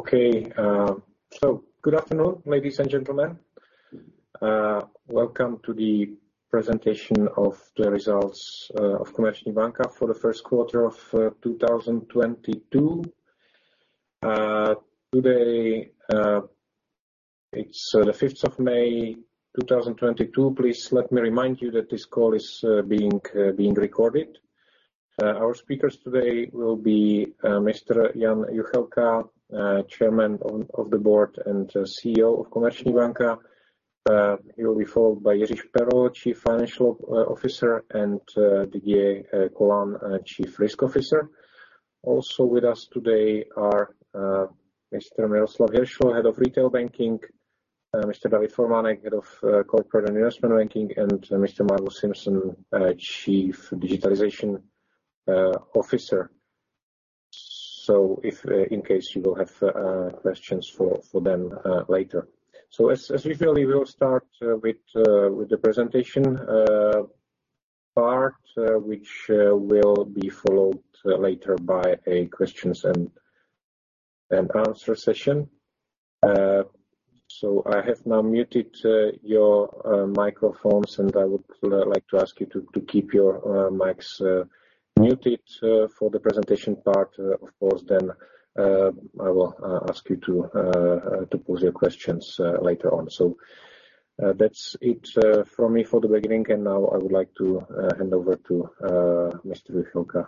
Okay. Good afternoon, ladies and gentlemen. Welcome to the presentation of the results of Komerční banka for the first quarter of 2022. Today, it's the 5th of May, 2022. Please let me remind you that this call is being recorded. Our speakers today will be Mr. Jan Juchelka, Chairman of the Board and CEO of Komerční banka. He will be followed by Jiří Šperl, Chief Financial Officer, and Didier Colin, Chief Risk Officer. Also with us today are Mr. Miroslav Hiršl, Head of Retail Banking, Mr. David Formánek, Head of Corporate and Investment Banking, and Mr. Margus Simson, Chief Digitalization Officer. If in case you will have questions for them later. As usual, we will start with the presentation part, which will be followed later by a questions and answer session. I have now muted your microphones, and I would like to ask you to keep your mics muted for the presentation part. Of course, I will ask you to pose your questions later on. That's it from me for the beginning. Now I would like to hand over to Mr. Juchelka.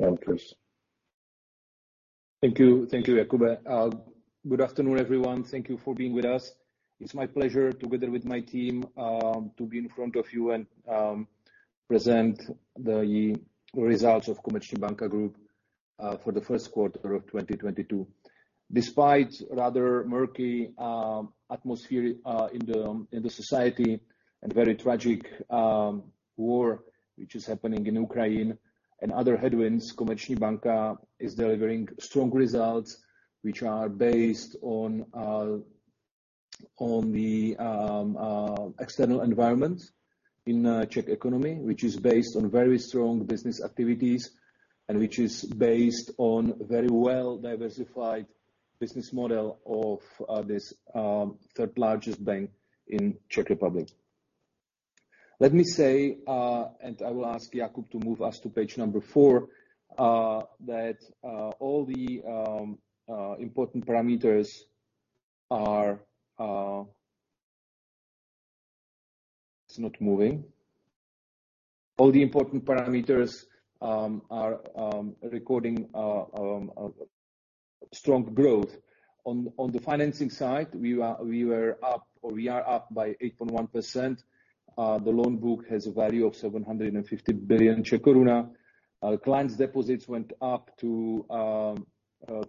Jan, please. Thank you. Thank you, Jakub. Good afternoon, everyone. Thank you for being with us. It's my pleasure, together with my team, to be in front of you and present the results of Komerční banka Group for the first quarter of 2022. Despite rather murky atmosphere in the society and very tragic war which is happening in Ukraine and other headwinds, Komerční banka is delivering strong results which are based on the external environment in Czech economy, which is based on very strong business activities and which is based on very well-diversified business model of this third-largest bank in Czech Republic. Let me say, and I will ask Jakub to move us to page number 4, that all the important parameters are. It's not moving. All the important parameters are showing strong growth. On the financing side, we are up by 8.1%. The loan book has a value of 750 billion Czech koruna. Client's deposits went up to 1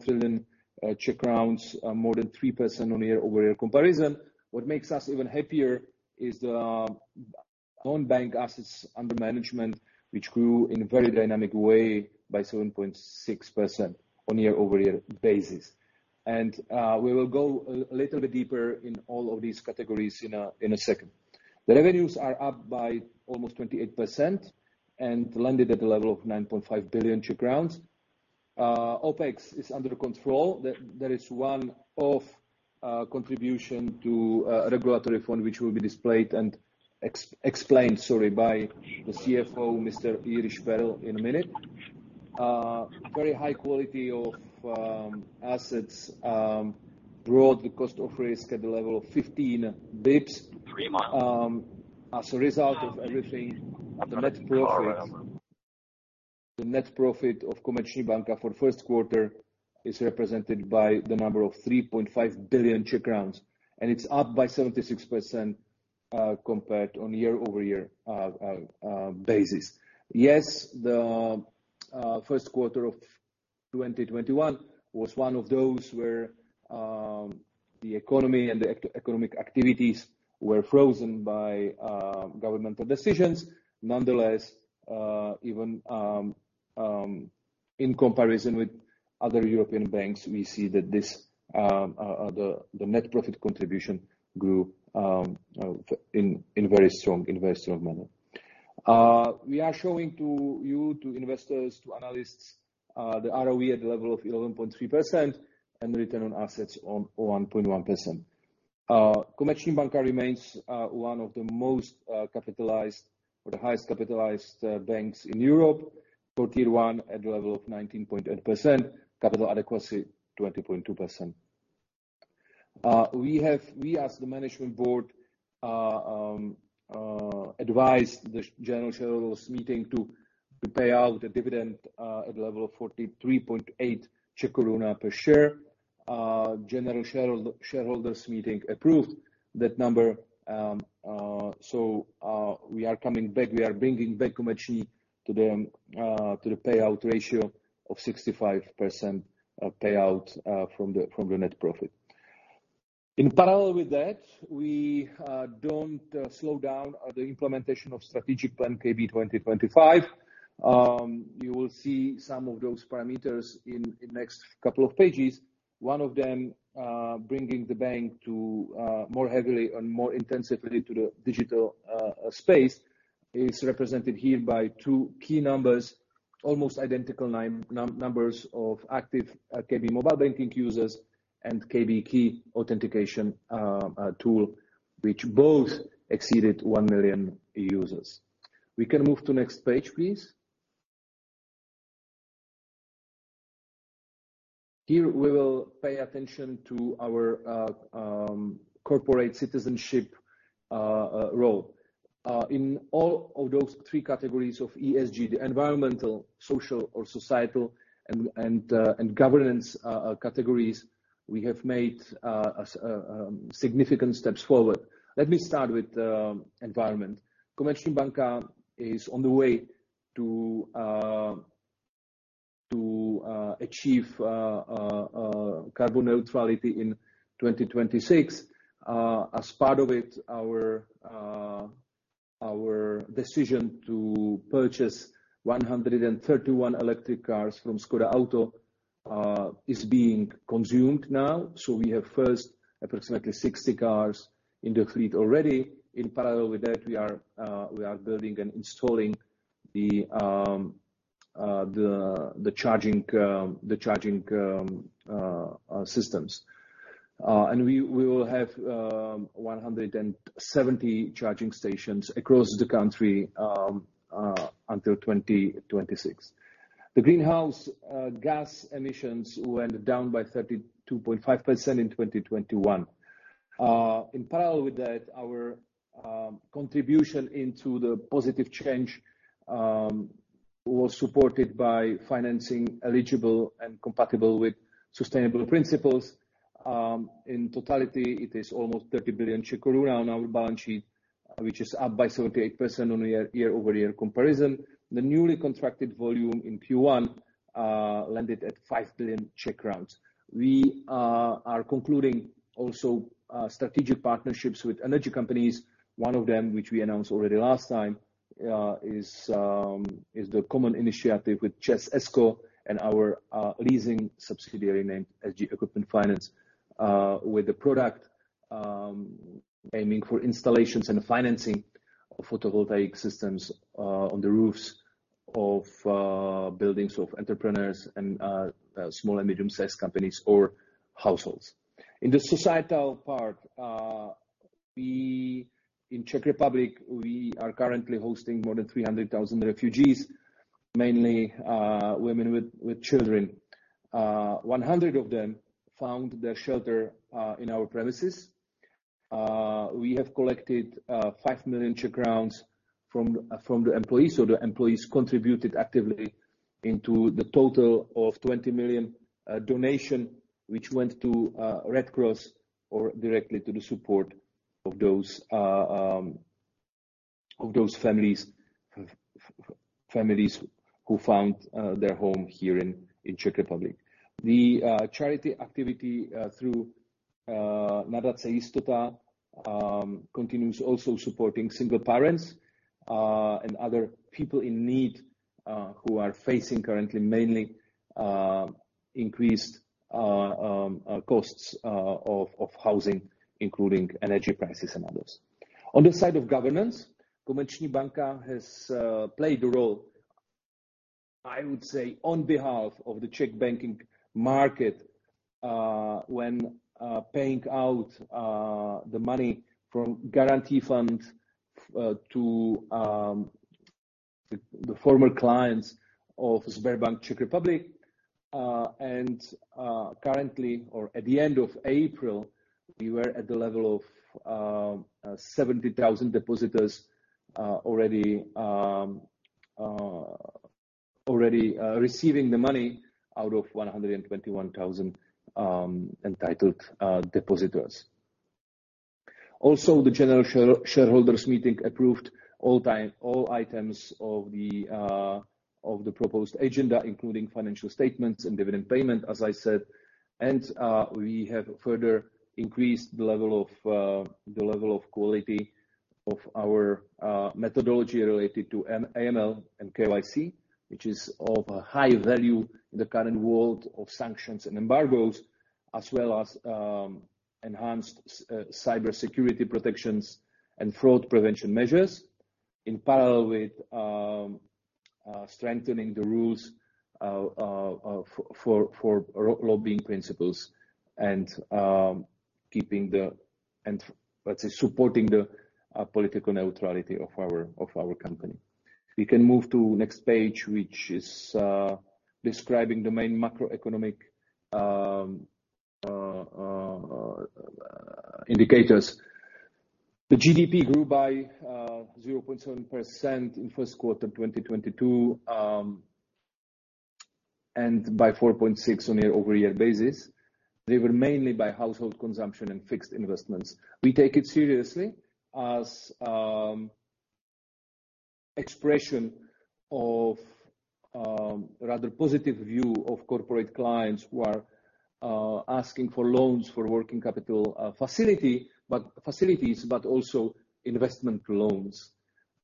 trillion, more than 3% on year-over-year comparison. What makes us even happier is the loan book assets under management, which grew in very dynamic way by 7.6% on year-over-year basis. We will go a little bit deeper in all of these categories in a second. The revenues are up by almost 28% and landed at the level of 9.5 billion Czech crowns. OpEx is under control. There is one contribution to a regulatory fund which will be displayed and explained, sorry, by the CFO, Mr. Jiří Šperl, in a minute. Very high quality of assets brought the cost of risk at the level of 15 basis points. As a result of everything, the net profit of Komerční banka for the first quarter is represented by the number of 3.5 billion Czech crowns, and it's up by 76% compared on year-over-year basis. The first quarter of 2021 was one of those where the economy and economic activities were frozen by governmental decisions. Nonetheless, even in comparison with other European banks, we see that the net profit contribution grew in very strong manner. We are showing to you, to investors, to analysts, the ROE at the level of 11.3% and return on assets on 1.1%. Komerční banka remains one of the most capitalized or the highest capitalized banks in Europe. For Tier 1 at the level of 19.8%, capital adequacy, 20.2%. We have, we as the management board, advise the general shareholders meeting to pay out the dividend at the level of 43.8 per share. General shareholders meeting approved that number. We are coming back. We are bringing back Komerční banka to the payout ratio of 65%, payout from the net profit. In parallel with that, we don't slow down on the implementation of strategic plan KB 2025. You will see some of those parameters in next couple of pages. One of them, bringing the bank to more heavily and more intensively to the digital space. It's represented here by two key numbers, almost identical numbers of active KB Mobile Banking users and KB Key authentication tool, which both exceeded 1 million users. We can move to next page, please. Here we will pay attention to our corporate citizenship role. In all of those three categories of ESG, the environmental, social or societal and governance categories, we have made significant steps forward. Let me start with environment. Komerční banka is on the way to achieve carbon neutrality in 2026. As part of it, our decision to purchase 131 electric cars from Škoda Auto is being implemented now, so we have first approximately 60 cars in the fleet already. In parallel with that, we are building and installing the charging systems. We will have 170 charging stations across the country until 2026. The greenhouse gas emissions went down by 32.5% in 2021. In parallel with that, our contribution to the positive change was supported by financing eligible and compatible with sustainable principles. In totality, it is almost 30 billion on our balance sheet, which is up by 78% on a year-over-year comparison. The newly contracted volume in Q1 landed at 5 billion. We are concluding also strategic partnerships with energy companies. One of them, which we announced already last time, is the common initiative with ČEZ ESCO and our leasing subsidiary named SG Equipment Finance with the product aiming for installations and financing of photovoltaic systems on the roofs of buildings of entrepreneurs and small and medium-sized companies or households. In the societal part, In Czech Republic, we are currently hosting more than 300,000 refugees, mainly women with children. 100 of them found their shelter in our premises. We have collected 5 million Czech crowns from the employees. Employees contributed actively into the total of 20 million donation, which went to Red Cross or directly to the support of those families who found their home here in Czech Republic. Charity activity through Nadace Jistota continues also supporting single parents and other people in need who are facing currently mainly increased costs of housing, including energy prices and others. On the side of governance, Komerční banka has played a role, I would say, on behalf of the Czech banking market when paying out the money from Guarantee Fund to the former clients of Sberbank Czech Republic. Currently, or at the end of April, we were at the level of 70,000 depositors already receiving the money out of 121,000 entitled depositors. Also, the General Shareholders Meeting approved all items of the proposed agenda, including financial statements and dividend payment, as I said. We have further increased the level of quality of our methodology related to AML and KYC, which is of a high value in the current world of sanctions and embargoes, as well as enhanced cybersecurity protections and fraud prevention measures. In parallel with strengthening the rules for lobbying principles and keeping, and let's say, supporting the political neutrality of our company. We can move to next page, which is describing the main macroeconomic indicators. The GDP grew by 0.7% in first quarter 2022 and by 4.6% on a year-over-year basis. They were mainly driven by household consumption and fixed investments. We take it seriously as expression of rather positive view of corporate clients who are asking for loans for working capital facilities but also investment loans.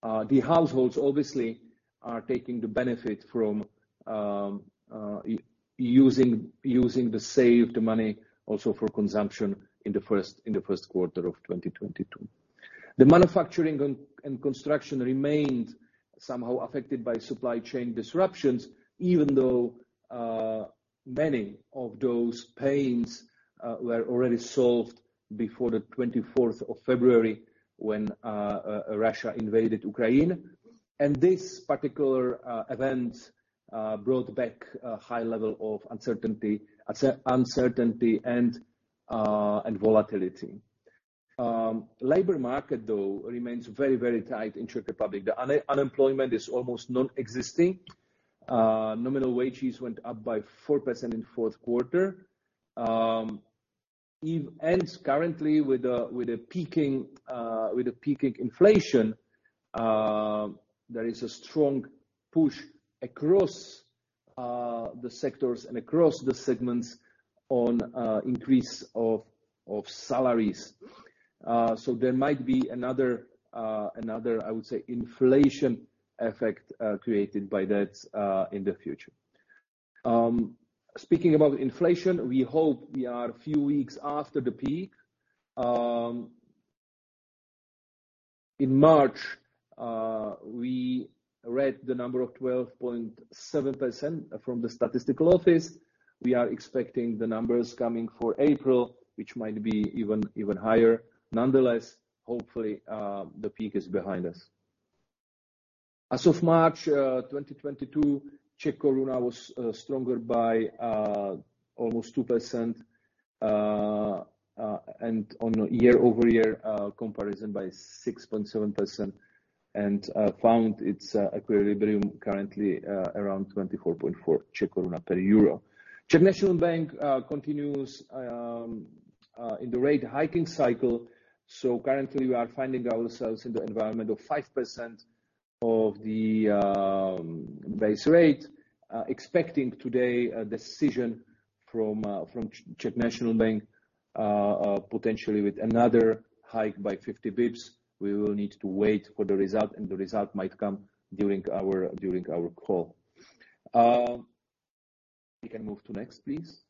The households obviously are taking the benefit from using the saved money also for consumption in the first quarter of 2022. The manufacturing and construction remained somehow affected by supply chain disruptions, even though many of those pains were already solved before the 24th of February when Russia invaded Ukraine. This particular event brought back a high level of uncertainty and volatility. Labor market, though, remains very tight in Czech Republic. The unemployment is almost nonexistent. Nominal wages went up by 4% in the fourth quarter. It ends currently with a peaking inflation. There is a strong push across the sectors and across the segments on increase of salaries. So there might be another, I would say, inflation effect created by that in the future. Speaking about inflation, we hope we are a few weeks after the peak. In March, we read the number of 12.7% from the Statistical Office. We are expecting the numbers coming for April, which might be even higher. Nonetheless, hopefully, the peak is behind us. As of March 2022, Czech koruna was stronger by almost 2%, and on a year-over-year comparison by 6.7% and found its equilibrium currently around 24.4 per euro. Czech National Bank continues in the rate hiking cycle, so currently we are finding ourselves in the environment of 5% of the base rate. Expecting today a decision from Czech National Bank, potentially with another hike by 50 basis points. We will need to wait for the result, and the result might come during our call. We can move to next, please.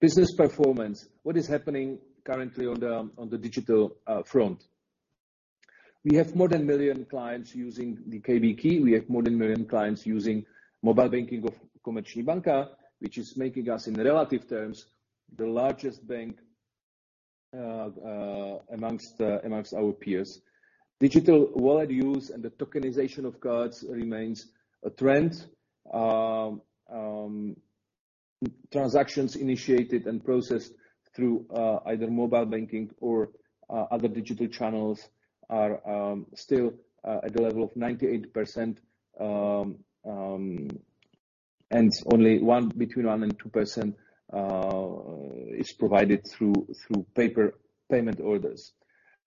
Business performance. What is happening currently on the digital front? We have more than 1 million clients using the KB Key. We have more than a million clients using mobile banking of Komerční banka, which is making us, in relative terms, the largest bank among our peers. Digital wallet use and the tokenization of cards remains a trend. Transactions initiated and processed through either mobile banking or other digital channels are still at the level of 98%, and only between 1% and 2% is provided through paper payment orders.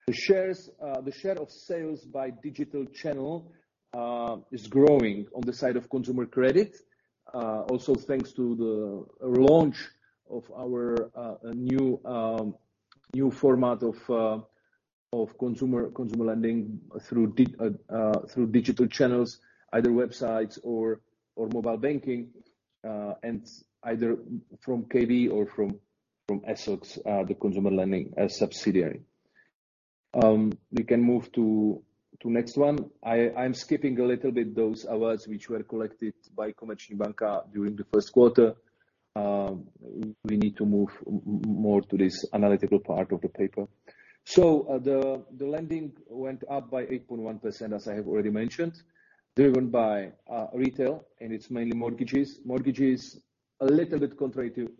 The share of sales by digital channel is growing on the side of consumer credit, also thanks to the launch of our new format of consumer lending through digital channels, either websites or mobile banking, and either from KB or from ESSOX, the consumer lending subsidiary. We can move to next one. I'm skipping a little bit those awards which were collected by Komerční banka during the first quarter. We need to move more to this analytical part of the paper. The lending went up by 8.1%, as I have already mentioned, driven by retail, and it's mainly mortgages. Mortgages, a little bit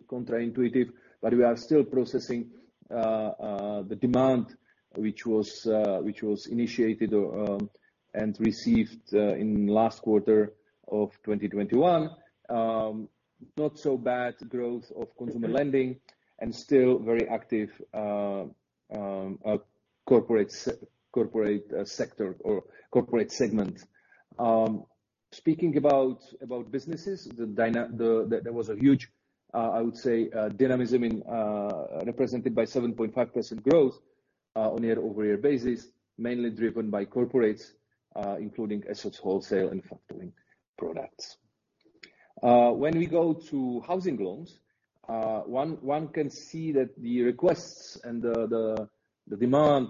counterintuitive, but we are still processing the demand which was initiated and received in last quarter of 2021. Not so bad growth of consumer lending and still very active corporate sector or corporate segment. Speaking about businesses, there was a huge dynamism represented by 7.5% growth on a year-over-year basis, mainly driven by corporates, including ESSOX wholesale and factoring products. When we go to housing loans, one can see that the requests and the demand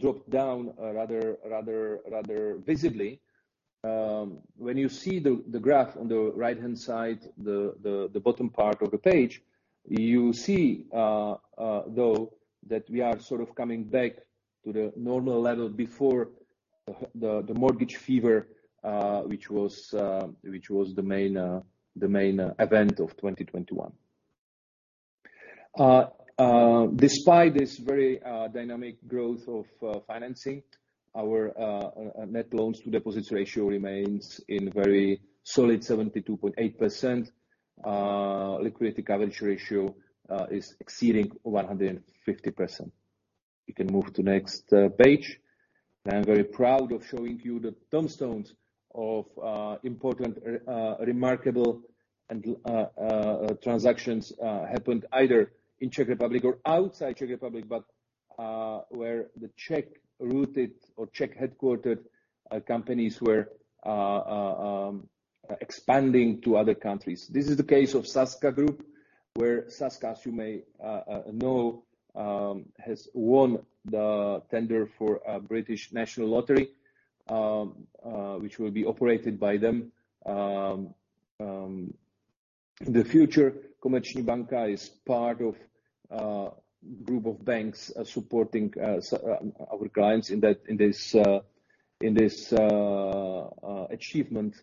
dropped down rather visibly. When you see the graph on the right-hand side, the bottom part of the page, you see that we are sort of coming back to the normal level before the mortgage fever, which was the main event of 2021. Despite this very dynamic growth of financing, our net loans to deposits ratio remains in very solid 72.8%. Liquidity coverage ratio is exceeding 150%. We can move to next page. I am very proud of showing you the tombstones of important and remarkable transactions happened either in Czech Republic or outside Czech Republic, but where the Czech-rooted or Czech-headquartered companies were expanding to other countries. This is the case of SAZKA Group, where SAZKA, as you may know, has won the tender for a British national lottery, which will be operated by them in the future. Komerční banka is part of group of banks supporting our clients in that, in this achievement.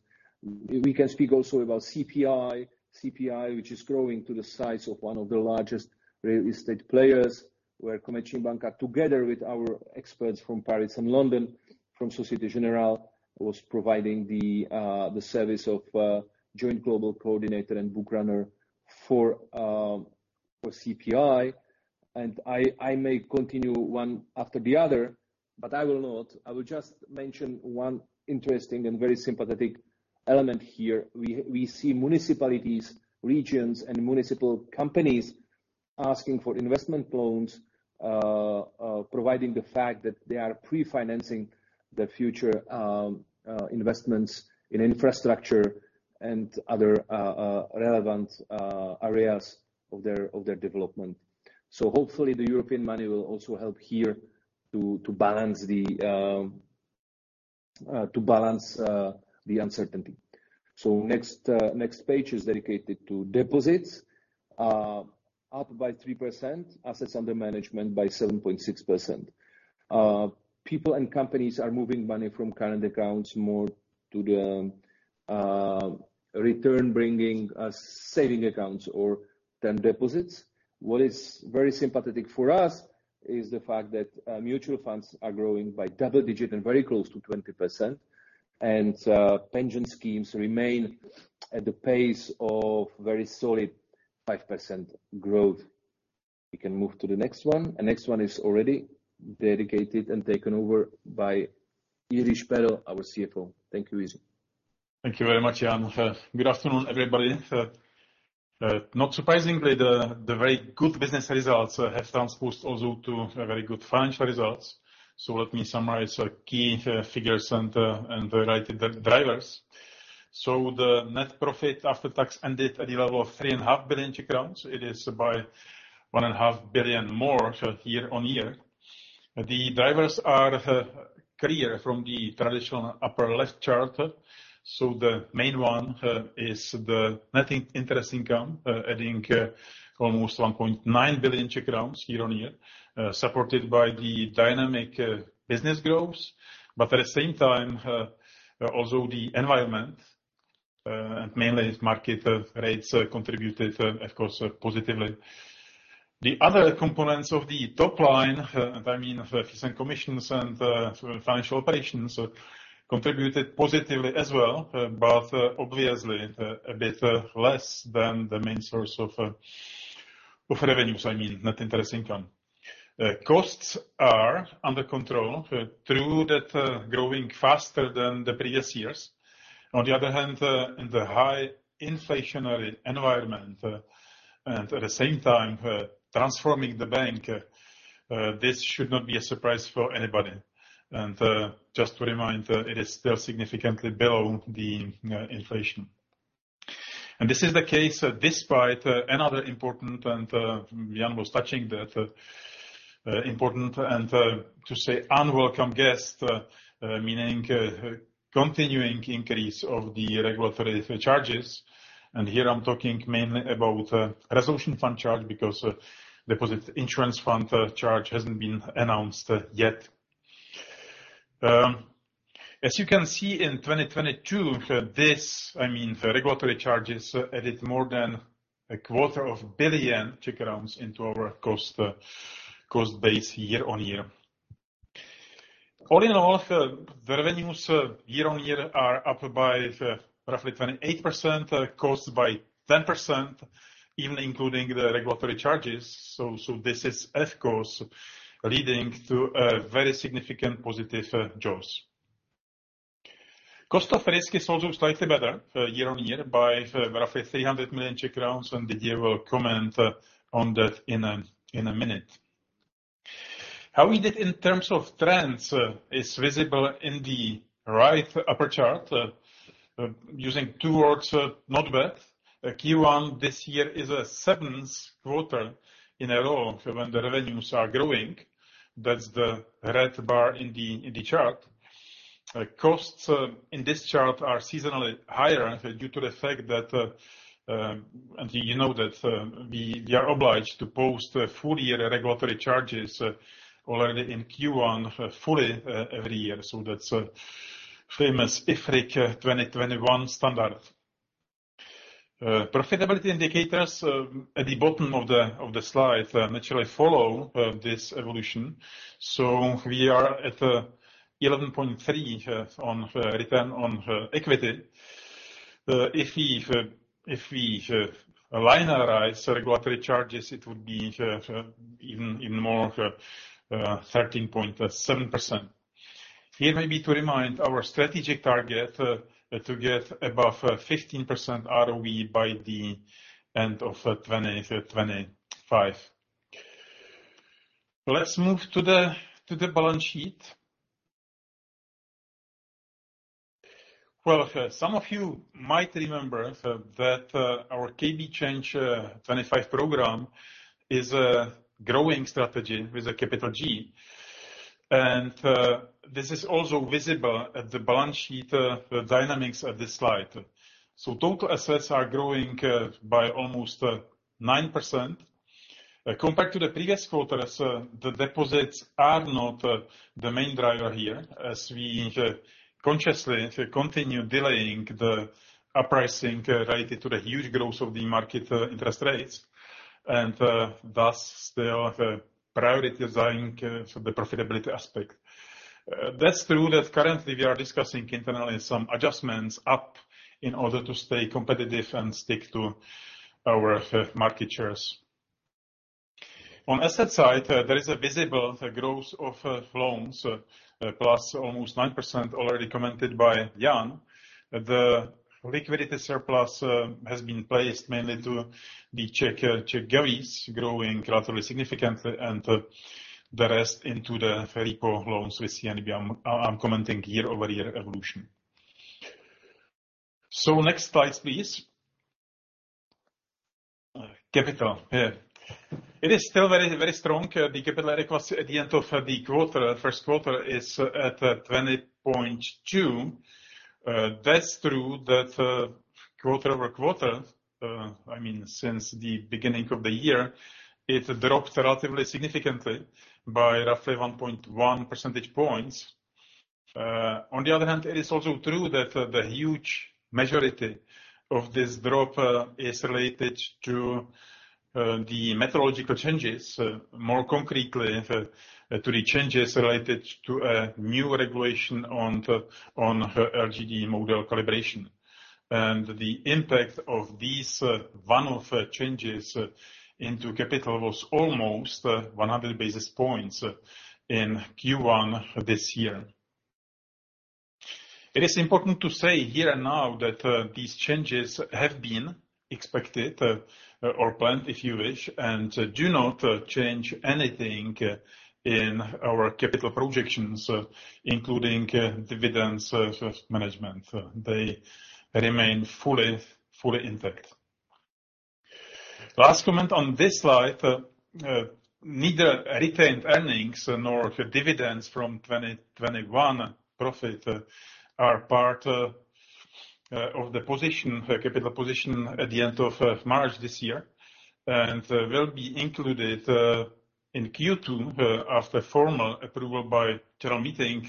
We can speak also about CPI. CPI, which is growing to the size of one of the largest real estate players, where Komerční banka, together with our experts from Paris and London, from Société Générale, was providing the service of joint global coordinator and book runner for CPI. I may continue one after the other, but I will not. I will just mention one interesting and very sympathetic element here. We see municipalities, regions and municipal companies asking for investment loans, providing the fact that they are pre-financing the future investments in infrastructure and other relevant areas of their development. Hopefully, the European money will also help here to balance the uncertainty. Next page is dedicated to deposits, up by 3%, assets under management by 7.6%. People and companies are moving money from current accounts more to the return-bringing savings accounts or term deposits. What is very sympathetic for us is the fact that mutual funds are growing by double digit and very close to 20%. Pension schemes remain at the pace of very solid 5% growth. We can move to the next one, and next one is already dedicated and taken over by Jiří Šperl, our CFO. Thank you, Jiří. Thank you very much, Jan. Good afternoon, everybody. Not surprisingly, the very good business results have translated also to very good financial results. Let me summarize key figures and the right drivers. The net profit after tax ended at a level of 3.5 billion Czech crowns. It is by 1.5 billion more year-on-year. The drivers are clear from the traditional upper left chart. The main one is the net interest income, adding almost 1.9 billion Czech crowns year-on-year, supported by the dynamic business growth. At the same time, also the environment, mainly market rates contributed, of course, positively. The other components of the top line, I mean, fees and commissions and financial operations contributed positively as well, but obviously a bit less than the main source of revenues, I mean, net interest income. Costs are under control, though they're growing faster than the previous years. On the other hand, in the high inflationary environment, and at the same time transforming the bank, this should not be a surprise for anybody. Just to remind, it is still significantly below the inflation. This is the case despite another important, and Jan was touching that, important and to say unwelcome guest, meaning continuing increase of the regulatory charges. Here I'm talking mainly about resolution fund charge because Deposit Insurance Fund charge hasn't been announced yet. As you can see in 2022, I mean regulatory charges added more than 250 million into our cost base year-on-year. All in all, the revenues year-on-year are up by roughly 28%, costs by 10%, even including the regulatory charges. This is of course leading to a very significant positive jaws. Cost of risk is also slightly better year-on-year by roughly 300 million Czech crowns, and Didier will comment on that in a minute. How we did in terms of trends is visible in the right upper chart, using two words, not bad. Q1 this year is a seventh quarter in a row when the revenues are growing. That's the red bar in the chart. Costs in this chart are seasonally higher due to the fact that we are obliged to post full-year regulatory charges already in Q1 fully every year. That's famous IFRIC 21 standard. Profitability indicators at the bottom of the slide naturally follow this evolution. We are at 11.3% on return on equity. If we linearize regulatory charges, it would be even more 13.7%. Here maybe to remind our strategic target to get above 15% ROE by the end of 2025. Let's move to the balance sheet. Well, some of you might remember that our KB Change 2025 program is a growing strategy with a capital G. This is also visible at the balance sheet dynamics of this slide. Total assets are growing by almost 9%. Compared to the previous quarters, the deposits are not the main driver here, as we consciously continue delaying the pricing related to the huge growth of the market interest rates, and thus still have a priority of designing for the profitability aspect. That's true that currently we are discussing internally some adjustments up in order to stay competitive and stick to our market shares. On asset side, there is a visible growth of loans, plus almost 9% already commented by Jan. The liquidity surplus has been placed mainly to the Czech govies growing relatively significantly, and the rest into the repo loans with CNB. I'm commenting year-over-year evolution. Next slide, please. Capital. It is still very strong. The capital request at the end of the quarter, first quarter is at 20.2%. That's true that, quarter-over-quarter, I mean, since the beginning of the year, it dropped relatively significantly by roughly 1.1 percentage points. On the other hand, it is also true that the huge majority of this drop is related to the methodological changes, more concretely to the changes related to a new regulation on LGD model calibration. The impact of these one-off changes into capital was almost 100 basis points in Q1 this year. It is important to say here and now that these changes have been expected or planned, if you wish, and do not change anything in our capital projections, including dividends management. They remain fully intact. Last comment on this slide, neither retained earnings nor dividends from 2021 profit are part of the capital position at the end of March this year. Will be included in Q2 after formal approval by general meeting,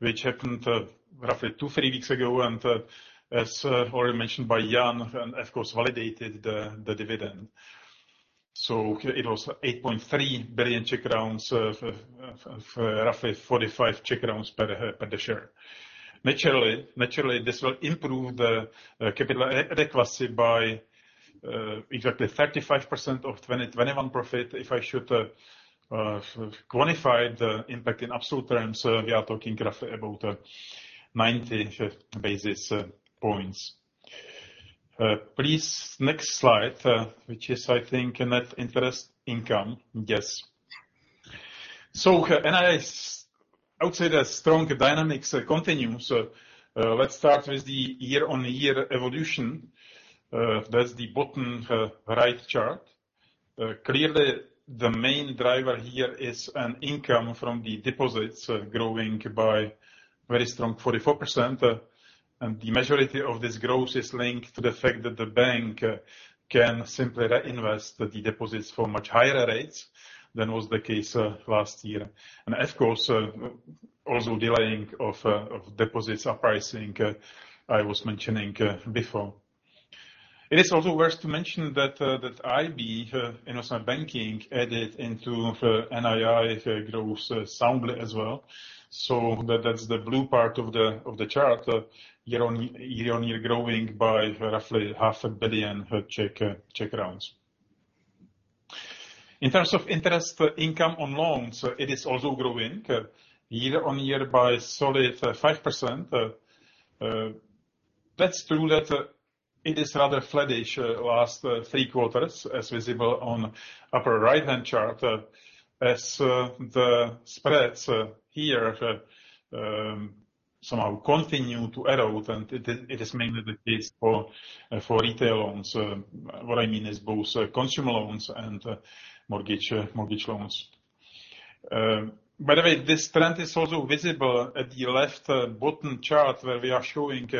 which happened roughly two, three weeks ago. As already mentioned by Jan, and of course, validated the dividend. It was 8.3 billion of roughly 45 per share. Naturally, this will improve the capital adequacy by exactly 35% of 2021 profit. If I should quantify the impact in absolute terms, we are talking roughly about 90 basis points. Please, next slide, which I think is net interest income. Yes. NII is, I would say, the strong dynamics continue. Let's start with the year-on-year evolution. That's the bottom right chart. Clearly, the main driver here is income from the deposits growing by very strong 44%. The majority of this growth is linked to the fact that the bank can simply reinvest the deposits for much higher rates than was the case last year. Of course, also delaying of deposits' repricing I was mentioning before. It is also worth to mention that IB, Investment Banking, added into NII growth solidly as well. That's the blue part of the chart, year-over-year growing by roughly 500 million. In terms of interest income on loans, it is also growing year-over-year by solid 5%. That's true that it is rather flattish last three quarters as visible on upper right-hand chart, as the spreads here somehow continue to erode, and it is mainly the case for retail loans. What I mean is both consumer loans and mortgage loans. By the way, this trend is also visible at the left bottom chart where we are showing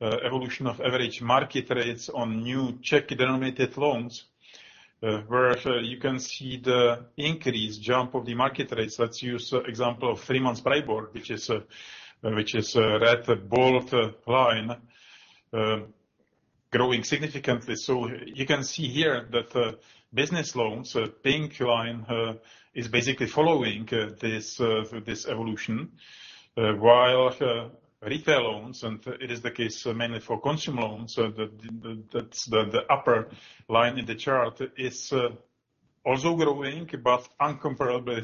evolution of average market rates on new Czech-denominated loans, whereas you can see the increase, jump of the market rates. Let's use example of three-month PRIBOR, which is red bold line, growing significantly. You can see here that business loans, pink line, is basically following this evolution, while retail loans, and it is the case mainly for consumer loans, that's the upper line in the chart is also growing, but incomparably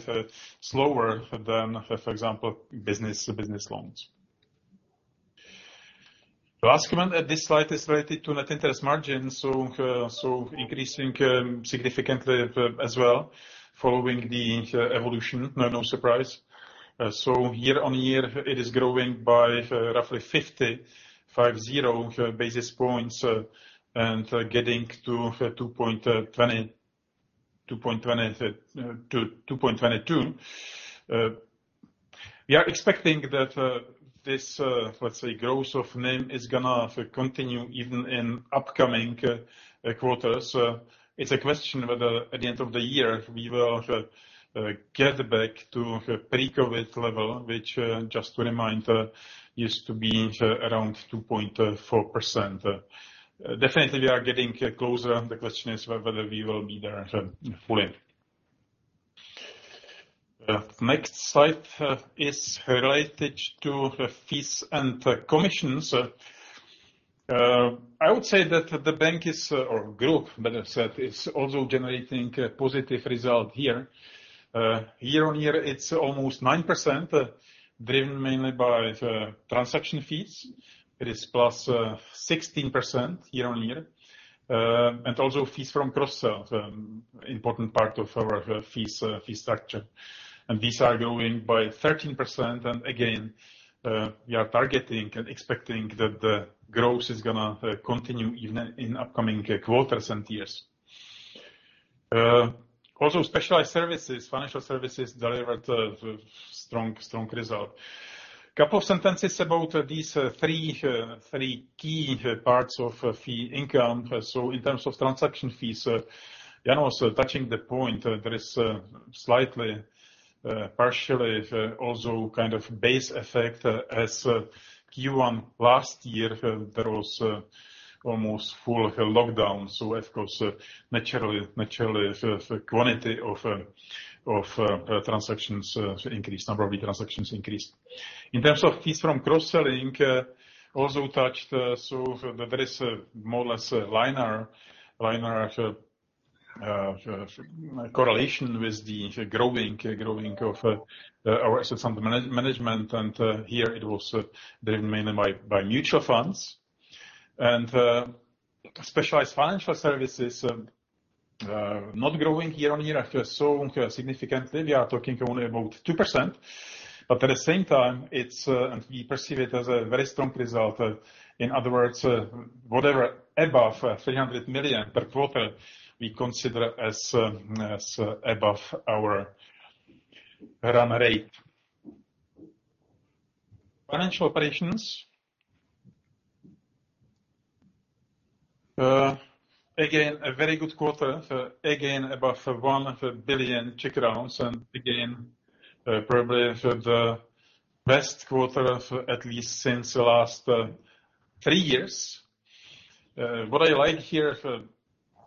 slower than, for example, business loans. Last comment at this slide is related to net interest margin. Increasing significantly as well, following the evolution. No surprise. Year-over-year it is growing by roughly 50 basis points, and getting to 2.22%. We are expecting that this let's say growth of NIM is gonna continue even in upcoming quarters. It's a question whether at the end of the year we will get back to pre-COVID level, which just to remind, used to be around 2.4%. Definitely we are getting closer, and the question is whether we will be there fully. The next slide is related to fees and commissions. I would say that the bank is or group, better said, is also generating a positive result here. Year-on-year, it's almost 9%, driven mainly by the transaction fees. It is +16% year-on-year. And also fees from cross sales, important part of our fees structure. These are growing by 13% and again, we are targeting and expecting that the growth is gonna continue even in upcoming quarters and years. Also specialized services, financial services delivered a strong result. Couple of sentences about these three key parts of fee income. In terms of transaction fees, Jan was touching the point. There is slightly, partially also kind of base effect as Q1 last year, there was almost full lockdown. Of course, naturally the quantity of transactions increased, number of transactions increased. In terms of fees from cross selling, also touched. There is more or less linear correlation with the growing of our asset management, and here it was driven mainly by mutual funds. Specialized financial services not growing year-on-year so significantly. We are talking only about 2%, but at the same time, it's, and we perceive it as a very strong result. In other words, whatever above 300 million per quarter, we consider as above our run rate. Financial operations. Again, a very good quarter. Again above 1 billion, and again, probably the best quarter at least since the last three years. What I like here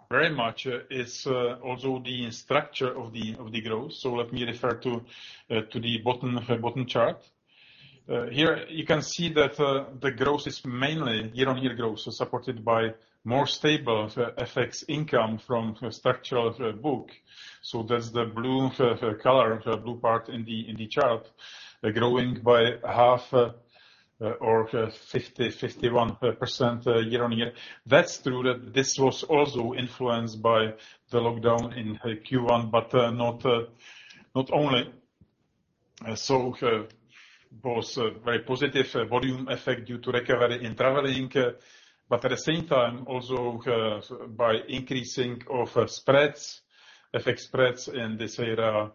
very much is also the structure of the growth. So let me refer to the bottom chart. Here you can see that the growth is mainly year-on-year growth, so supported by more stable FX income from structural book. So that's the blue color, blue part in the chart, growing by half or 51% year-on-year. That's true that this was also influenced by the lockdown in Q1, but not only. It was a very positive volume effect due to recovery in traveling, but at the same time also by increasing of spreads, FX spreads in this area,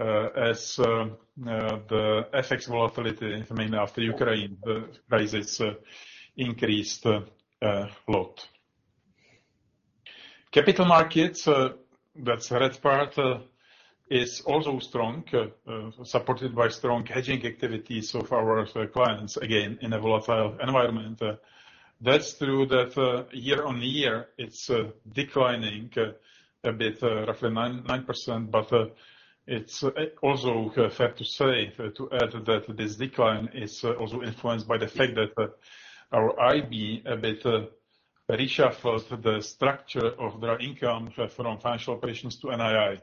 as the FX volatility mainly after Ukraine crisis increased a lot. Capital markets, that's the red part, is also strong, supported by strong hedging activities of our clients, again, in a volatile environment. That's true that year-on-year it's declining a bit, roughly 9%, but it's also fair to say, to add that this decline is also influenced by the fact that our IB a bit reshuffled the structure of their income from financial operations to NII,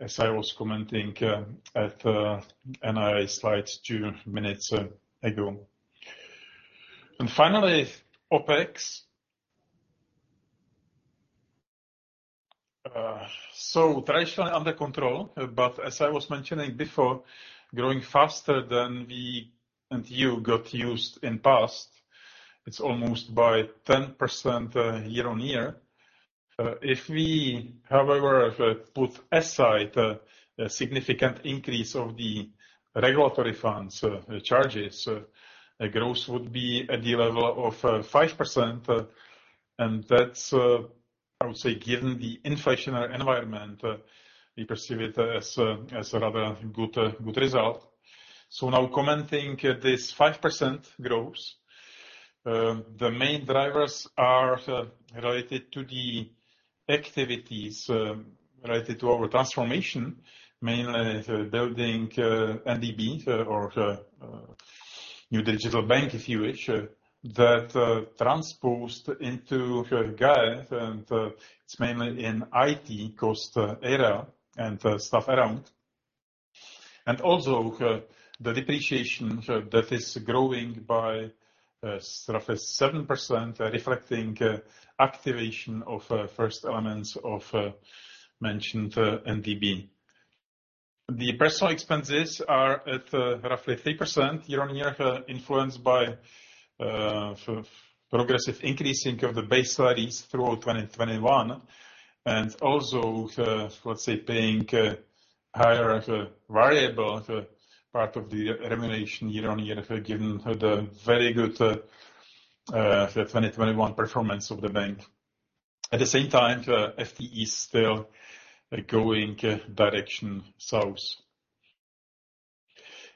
as I was commenting at NII slides two minutes ago. Finally, OpEx. Traditionally under control, but as I was mentioning before, growing faster than we and you got used in past. It's almost by 10% year-on-year. If we, however, put aside a significant increase of the regulatory funds charges, growth would be at the level of 5%, and that's, I would say, given the inflationary environment, we perceive it as a rather good result. Now commenting this 5% growth, the main drivers are related to the activities related to our transformation, mainly building NDB or new digital bank, if you wish, that transposed into your guide, and it's mainly in IT cost area and stuff around. Also, the depreciation that is growing by sort of 7%, reflecting activation of first elements of mentioned NDB. The personal expenses are at roughly 3% year-on-year, influenced by progressive increasing of the base salaries through 2021, and also, let's say, paying higher variable part of the remuneration year-on-year, given the very good 2021 performance of the bank. At the same time, FTE is still going direction south.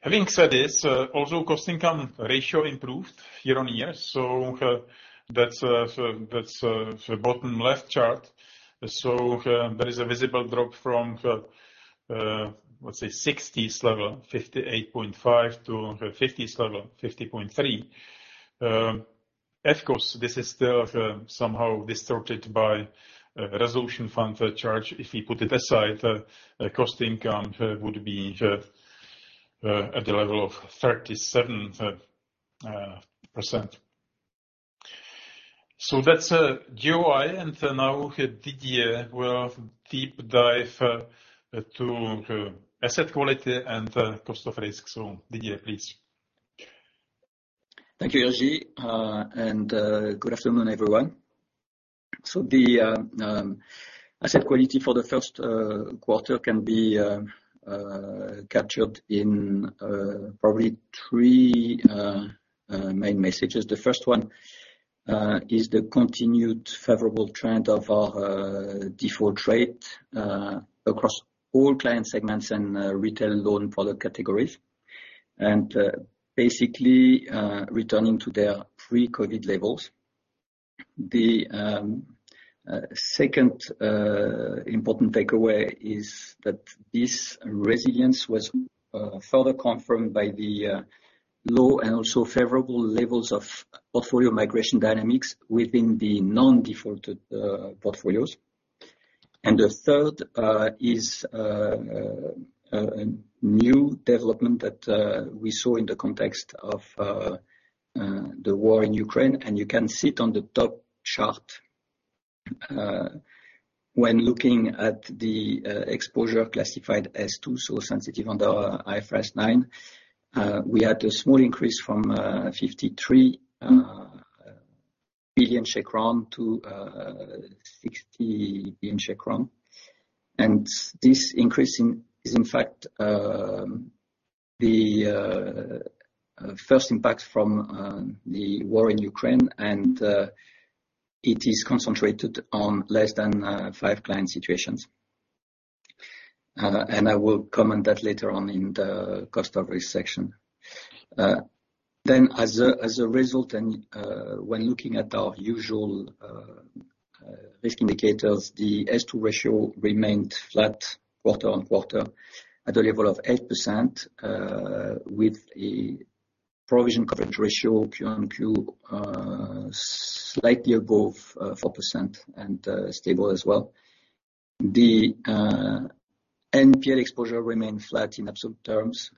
Having said this, also cost income ratio improved year-on-year, that's the bottom left chart. There is a visible drop from, let's say, 60s level, 58.5%, to 50s level, 50.3%. Of course, this is still somehow distorted by resolution fund charge. If we put it aside, cost income would be at the level of 37%. That's DOI. Now Didier will deep dive to asset quality and cost of risk. Didier, please. Thank you, Jiří, and good afternoon, everyone. The asset quality for the first quarter can be captured in probably three main messages. The first one is the continued favorable trend of our default rate across all client segments and retail loan product categories, and basically returning to their pre-COVID levels. The second important takeaway is that this resilience was further confirmed by the low and also favorable levels of portfolio migration dynamics within the non-defaulted portfolios. The third is a new development that we saw in the context of the war in Ukraine, and you can see it on the top chart when looking at the exposure classified as Stage 2 sensitive under IFRS 9. We had a small increase from 53 billion to 60 billion. This increase is, in fact, the first impact from the war in Ukraine, and it is concentrated on less than five client situations. I will comment that later on in the cost of risk section. As a result, when looking at our usual risk indicators, the S2 ratio remained flat quarter-on-quarter at a level of 8%, with a provision coverage ratio Q-on-Q slightly above 4% and stable as well. The NPL exposure remained flat in absolute terms.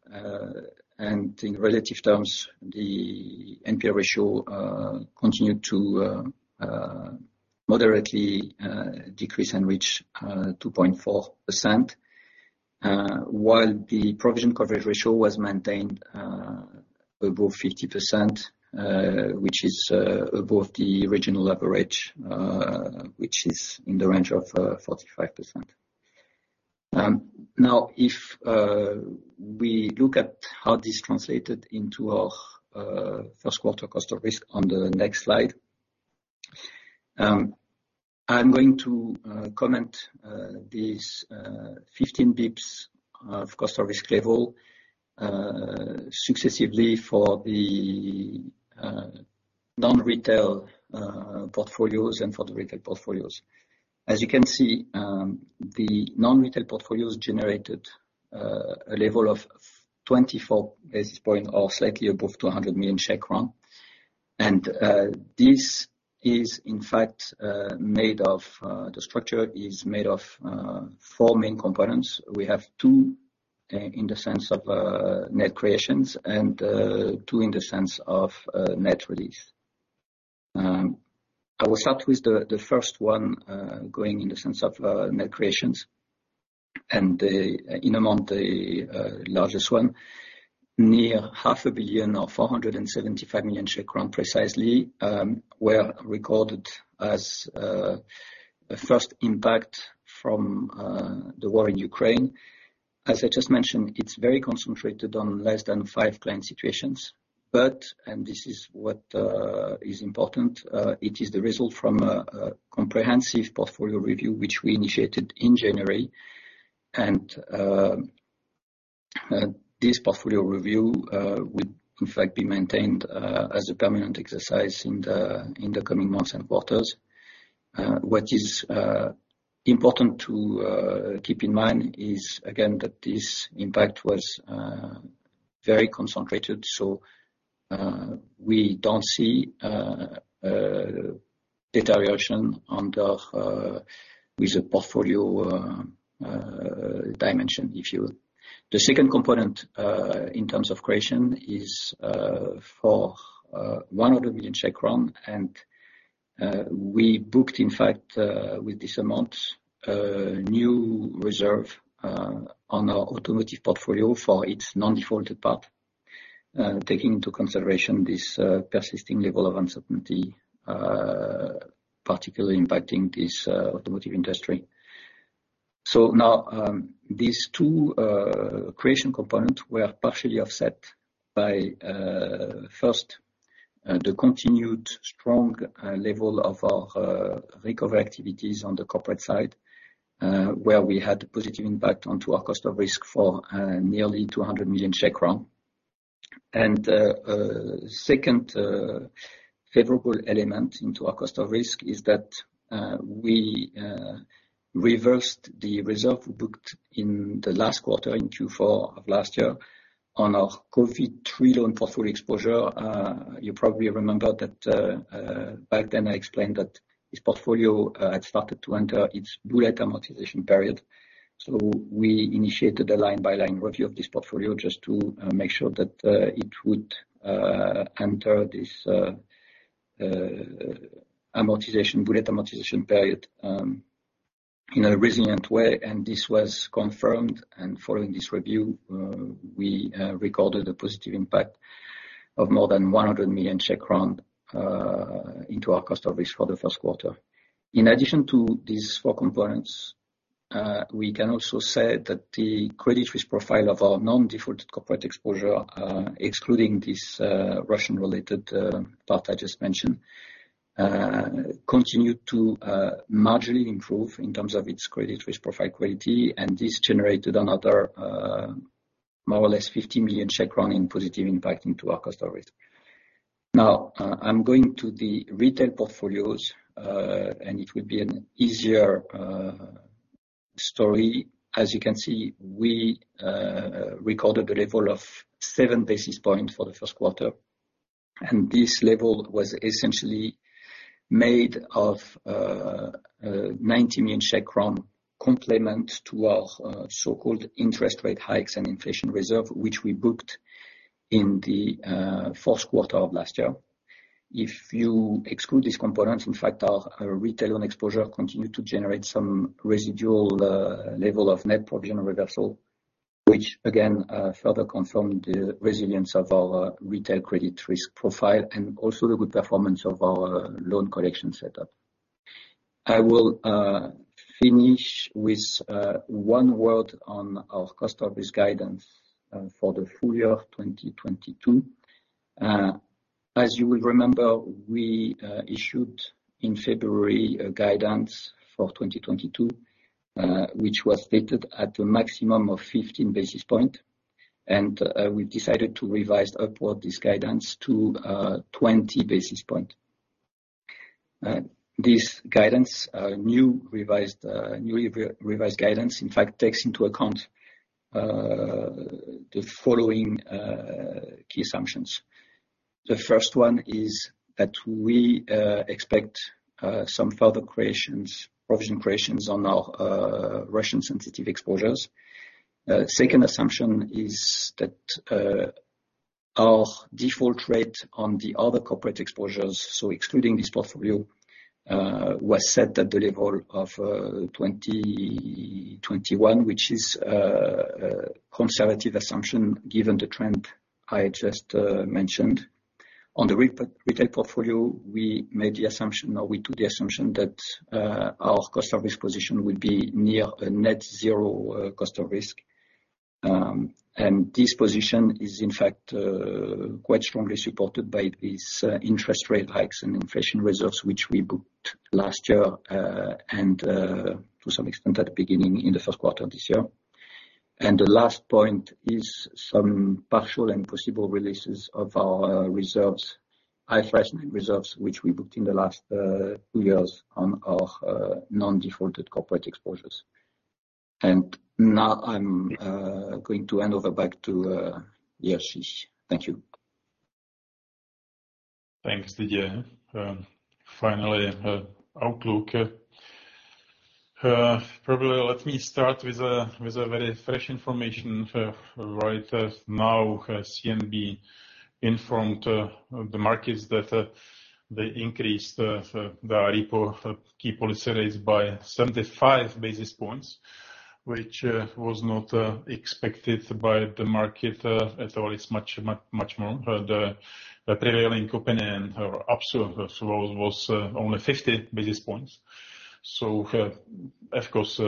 In relative terms, the NPL ratio continued to moderately decrease and reach 2.4%, while the provision coverage ratio was maintained above 50%, which is above the regional average, which is in the range of 45%. Now, if we look at how this translated into our first quarter cost of risk on the next slide, I'm going to comment these 15 basis points of cost of risk level successively for the non-retail portfolios and for the retail portfolios. As you can see, the non-retail portfolios generated a level of 24 basis point or slightly above 200 million. This is in fact the structure is made of four main components. We have two in the sense of net creations and two in the sense of net release. I will start with the first one going in the sense of net creations. In amount, the largest one, near 500 million, or 475 million Czech crown precisely, were recorded as a first impact from the war in Ukraine. As I just mentioned, it's very concentrated on less than five client situations. This is what is important. It is the result from a comprehensive portfolio review, which we initiated in January. This portfolio review would in fact be maintained as a permanent exercise in the coming months and quarters. What is important to keep in mind is, again, that this impact was very concentrated, so we don't see deterioration on the portfolio dimension, if you will. The second component in terms of creation is for 100 million, and we booked, in fact, with this amount, new reserve on our automotive portfolio for its non-defaulted part, taking into consideration this persisting level of uncertainty, particularly impacting this automotive industry. These two creation components were partially offset by, first, the continued strong level of our recovery activities on the corporate side, where we had a positive impact onto our cost of risk for nearly 200 million Czech crown. Second favorable element into our cost of risk is that we reversed the reserve we booked in the last quarter, in Q4 of last year, on our COVID III loan portfolio exposure. You probably remember that back then I explained that this portfolio had started to enter its bullet amortization period. We initiated a line-by-line review of this portfolio just to make sure that it would enter bullet amortization period in a resilient way, and this was confirmed, and following this review, we recorded a positive impact of more than CZK 100 million into our cost of risk for the first quarter. In addition to these four components, we can also say that the credit risk profile of our non-defaulted corporate exposure, excluding this Russian-related part I just mentioned, continued to marginally improve in terms of its credit risk profile quality, and this generated another more or less 50 million in positive impact into our cost of risk. Now, I'm going to the retail portfolios, and it will be an easier story. As you can see, we recorded a level of 7 basis points for the first quarter, and this level was essentially made of a 90 million Czech crown complement to our so-called interest rate hikes and inflation reserve, which we booked in the fourth quarter of last year. If you exclude these components, in fact, our retail loan exposure continued to generate some residual level of net provision reversal, which again further confirmed the resilience of our retail credit risk profile and also the good performance of our loan collection setup. I will finish with one word on our cost of risk guidance for the full year of 2022. As you will remember, we issued in February a guidance for 2022, which was stated at a maximum of 15 basis points, and we decided to revise upward this guidance to 20 basis points. This guidance, newly revised, in fact, takes into account the following key assumptions. The first one is that we expect some further provision creations on our Russian-sensitive exposures. Second assumption is that our default rate on the other corporate exposures, so excluding this portfolio, was set at the level of 2021, which is a conservative assumption given the trend I just mentioned. On the retail portfolio, we made the assumption, or we took the assumption that our cost of risk position will be near a net zero cost of risk. This position is, in fact, quite strongly supported by these interest rate hikes and inflation reserves which we booked last year, and to some extent at the beginning in the first quarter of this year. Last point is some partial and possible releases of our reserves, IFRS reserves, which we booked in the last two years on our non-defaulted corporate exposures. Now I'm going to hand over back to Jiří. Thank you. Thanks, Didier. Finally, outlook. Probably let me start with a very fresh information. Right now, CNB informed the markets that they increased the repo key policy rates by 75 basis points, which was not expected by the market at all. It's much more. The prevailing opinion or observation was only 50 basis points. Of course,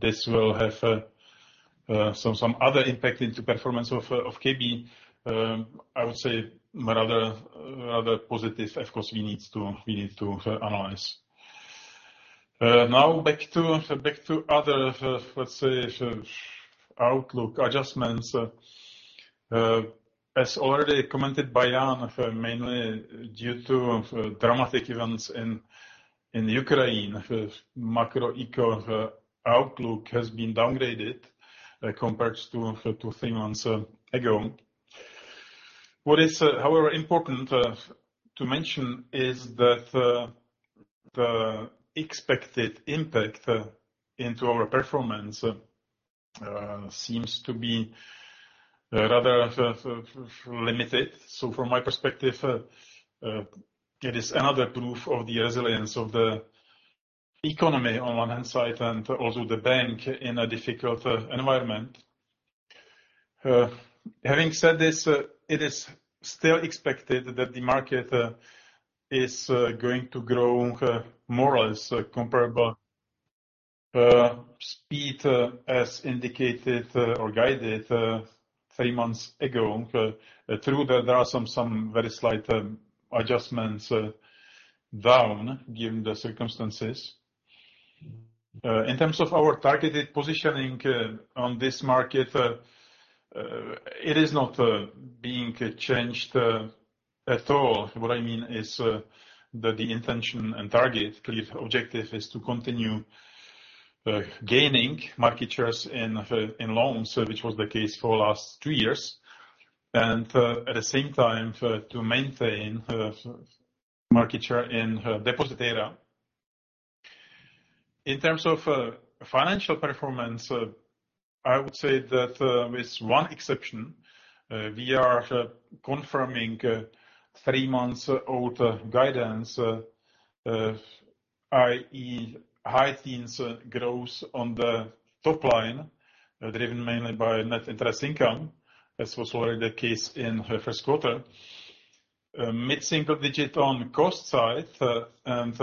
this will have some other impact into performance of KB. I would say rather positive. Of course, we need to analyze. Now back to other, let's say, outlook adjustments. As already commented by Jan, mainly due to dramatic events in Ukraine, macroeconomic outlook has been downgraded compared to three months ago. What is, however, important to mention is that the expected impact on our performance seems to be rather limited. From my perspective, it is another proof of the resilience of the economy on one hand side, and also the bank in a difficult environment. Having said this, it is still expected that the market is going to grow more or less comparable speed as indicated or guided three months ago. Though there are some very slight adjustments down given the circumstances. In terms of our targeted positioning on this market, it is not being changed at all. What I mean is, that the intention and target clear objective is to continue gaining market shares in loans, which was the case for last two years, and at the same time to maintain market share in deposits area. In terms of financial performance, I would say that with one exception we are confirming three months old guidance, i.e. high teens growth on the top line, driven mainly by net interest income, as was already the case in the first quarter. Mid-single digit on cost side, and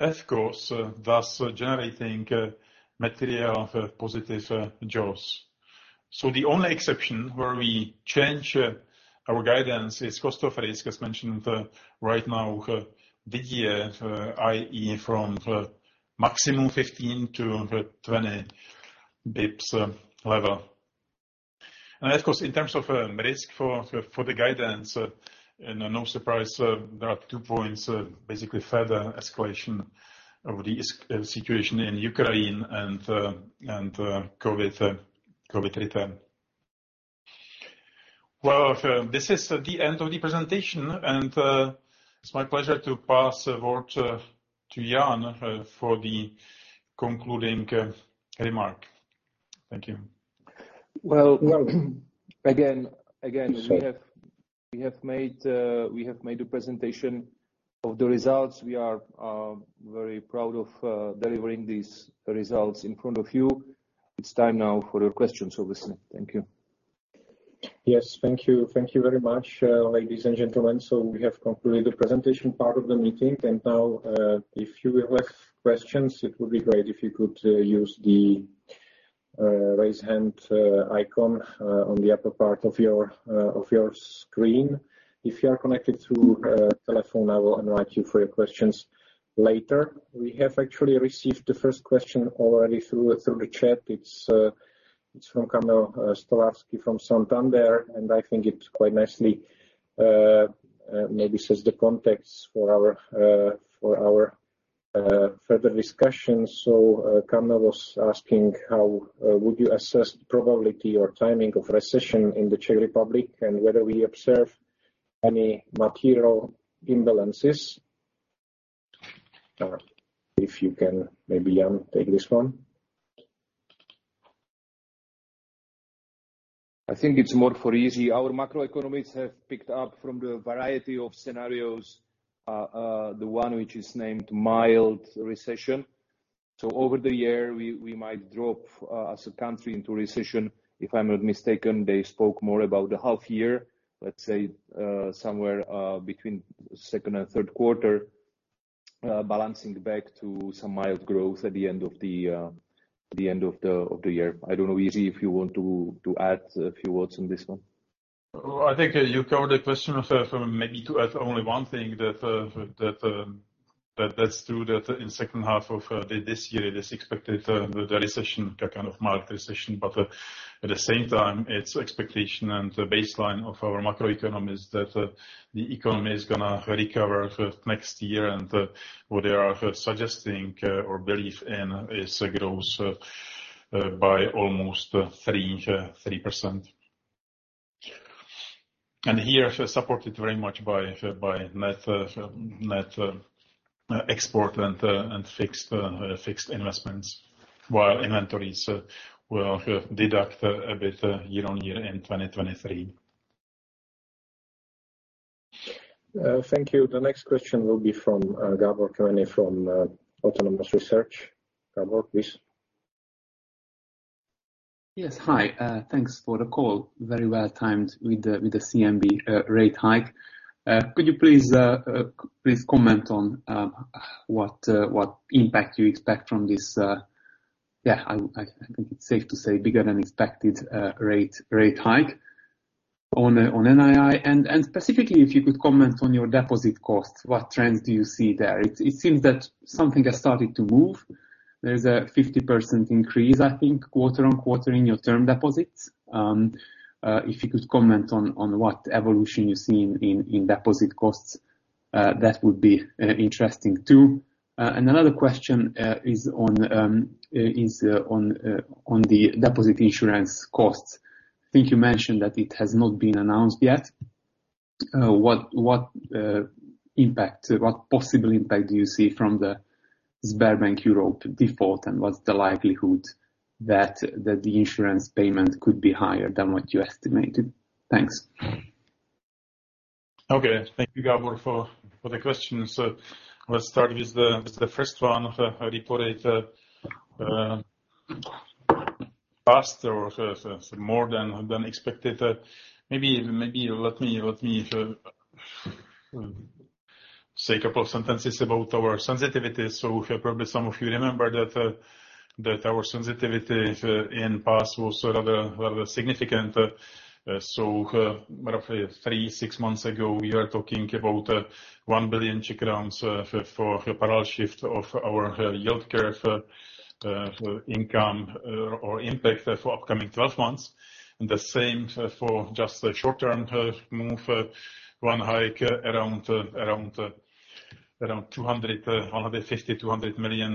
of course thus generating material positive jaws. The only exception where we change our guidance is cost of risk. As mentioned earlier, for the year, i.e. from maximum 15-20 basis points level. Of course, in terms of risk for the guidance, and no surprise, there are two points, basically, further escalation of the situation in Ukraine and COVID return. Well, this is the end of the presentation, and it's my pleasure to pass the word to Jan for the concluding remark. Thank you. Well, again, we have made a presentation of the results. We are very proud of delivering these results in front of you. It's time now for your questions, obviously. Thank you. Yes, thank you. Thank you very much, ladies and gentlemen. We have concluded the presentation part of the meeting. Now, if you have questions, it would be great if you could use the raise hand icon on the upper part of your screen. If you are connected through telephone, I will invite you for your questions later. We have actually received the first question already through the chat. It's from Kamil Stolarski from Santander, and I think it quite nicely maybe sets the context for our further discussions. Kamil was asking, how would you assess the probability or timing of recession in the Czech Republic and whether we observe any material imbalances? If you can maybe, Jan, take this one. I think it's more for Jiří. Our macroeconomists have picked up from the variety of scenarios the one which is named mild recession. Over the year, we might drop as a country into recession. If I'm not mistaken, they spoke more about the half year, let's say, somewhere between second and third quarter, balancing back to some mild growth at the end of the year. I don't know, Jiří, if you want to add a few words on this one. I think you covered the question. Maybe to add only one thing that that's true that in second half of this year it is expected the recession, a kind of mild recession. At the same time, it's expectation and baseline of our macroeconomists that the economy is gonna recover next year. What they are suggesting or belief in is growth by almost 3%. Here, supported very much by net export and fixed investments, while inventories will deduct a bit year-on-year in 2023. Thank you. The next question will be from Gabor Kemeny from Autonomous Research. Gabor, please. Yes. Hi. Thanks for the call. Very well timed with the CNB rate hike. Could you please comment on what impact you expect from this? Yeah, I think it's safe to say bigger than expected rate hike on NII. Specifically, if you could comment on your deposit costs, what trends do you see there? It seems that something has started to move. There is a 50% increase, I think, quarter on quarter in your term deposits. If you could comment on what evolution you see in deposit costs, that would be interesting too. Another question is on the deposit insurance costs. I think you mentioned that it has not been announced yet. What possible impact do you see from the Sberbank Europe default, and what's the likelihood that the insurance payment could be higher than what you estimated? Thanks. Thank you, Gabor, for the question. Let's start with the first one. Reported faster or more than expected. Maybe let me say a couple of sentences about our sensitivity. Probably some of you remember that our sensitivity in past was rather significant. Roughly three to six months ago, we are talking about 1 billion for parallel shift of our yield curve, income or impact for upcoming 12 months. The same for just the short-term move, one hike around 150 million-200 million.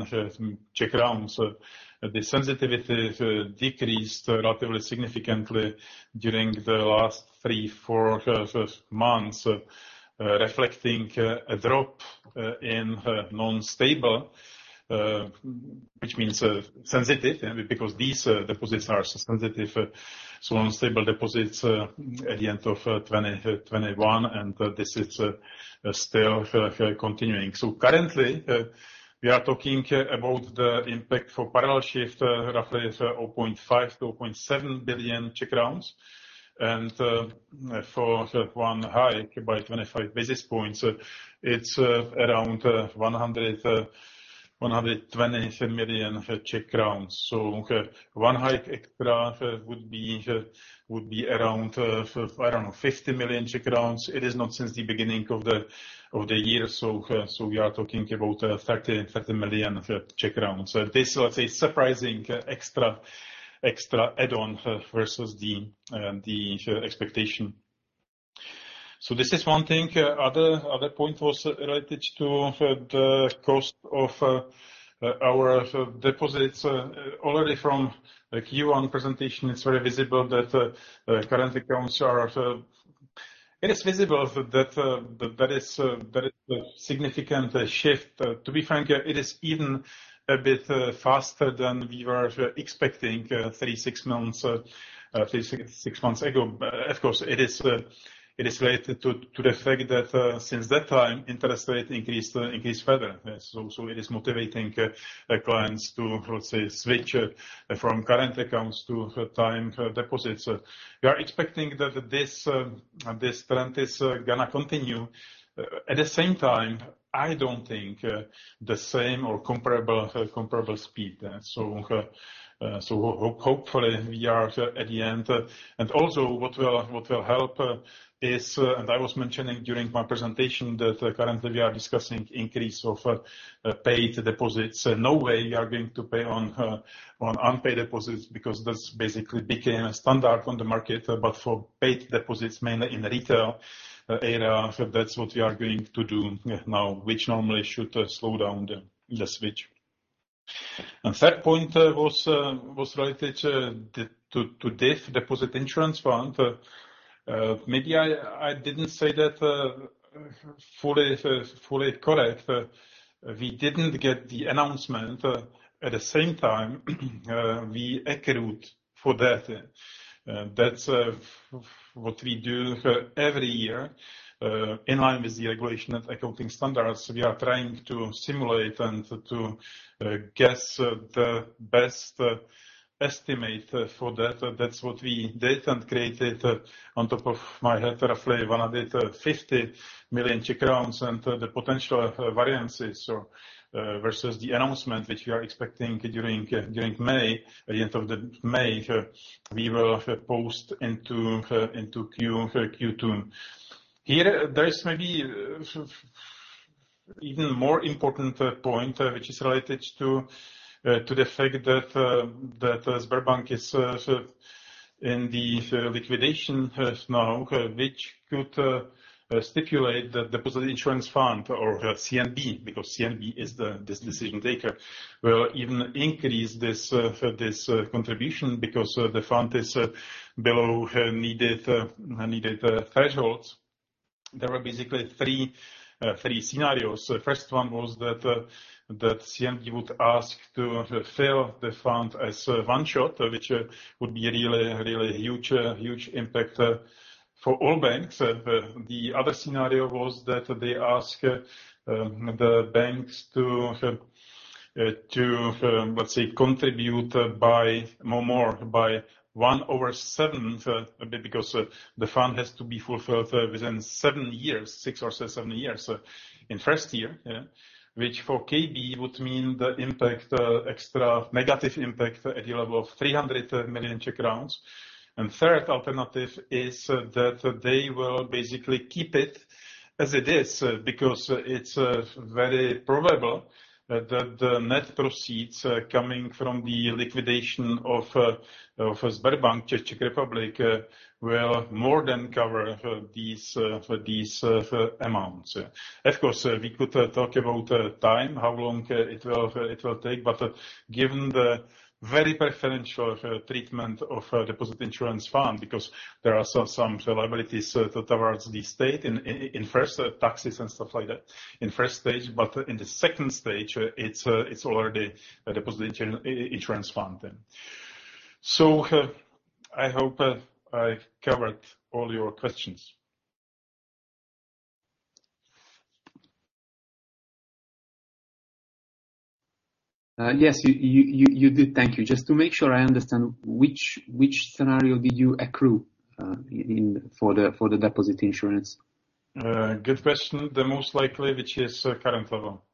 The sensitivity decreased relatively significantly during the last three to four months, reflecting a drop in non-stable, which means sensitive, because these deposits are sensitive. Non-stable deposits at the end of 2021, and this is still continuing. Currently, we are talking about the impact for parallel shift roughly is 0.5 billion-0.7 billion. For one hike by 25 basis points, it's around 100 million-120 million Czech crowns. One hike extra would be around, I don't know, 50 million Czech crowns. It is not since the beginning of the year. We are talking about 30 million. This was a surprising extra add-on versus the expectation. This is one thing. Other point was related to the cost of our deposits. Already from Q1 presentation, it's very visible that current accounts are. It is visible that there is a very significant shift. To be frank, it is even a bit faster than we were expecting three to six months ago. Of course, it is related to the fact that since that time, interest rate increased further. It is motivating clients to, let's say, switch from current accounts to time deposits. We are expecting that this trend is gonna continue. At the same time, I don't think the same or comparable speed. Hopefully we are at the end. Also what will help is, I was mentioning during my presentation that currently we are discussing increase of paid deposits. No way we are going to pay on unpaid deposits because that's basically become a standard on the market. For paid deposits, mainly in retail area, that's what we are going to do now, which normally should slow down the switch. Third point was related to DIF, Deposit Insurance Fund. Maybe I didn't say that fully correct. We didn't get the announcement. At the same time we accrued for that. That's what we do every year. In line with the regulation of accounting standards, we are trying to simulate and to guess the best estimate for that. That's what we did and created off the top of my head, roughly 150 million crowns. The potential variances versus the announcement, which we are expecting during May, at the end of May, we will post into Q2. There is maybe even more important point which is related to the fact that Sberbank CZ is in liquidation now, which could stimulate the Deposit Insurance Fund or CNB, because CNB is this decision maker, will even increase this contribution because the fund is below needed thresholds. There were basically three scenarios. The first one was that CNB would ask to fill the fund as one shot, which would be really huge impact for all banks. The other scenario was that they ask the banks to, let's say, contribute more by 1/7, because the fund has to be fulfilled within seven years, six or seven years. In first year. Which for KB would mean the impact, extra negative impact at the level of 300 million Czech crowns. Third alternative is that they will basically keep it as it is, because it's very probable that the net proceeds coming from the liquidation of Sberbank Czech Republic will more than cover these amounts. Of course, we could talk about time, how long it will take. Given the very preferential treatment of Deposit Insurance Fund, because there are some liabilities towards the state in first taxes and stuff like that in first stage, but in the second stage, it's already a Deposit Insurance Fund then. I hope I covered all your questions. Yes, you did. Thank you. Just to make sure I understand, which scenario did you accrue for the deposit insurance? Good question. The most likely, which is current level.